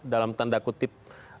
dalam tanda kutip